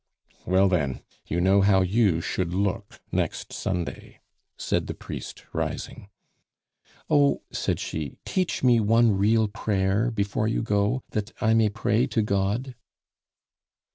"Well, then, you know how you should look next Sunday," said the priest, rising. "Oh!" said she, "teach me one real prayer before you go, that I may pray to God."